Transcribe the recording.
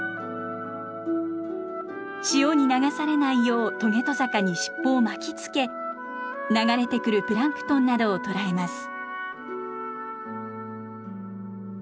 潮に流されないようトゲトサカに尻尾を巻きつけ流れてくるプランクトンなどを捕らえます。